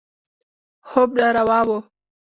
خوب ناروا و.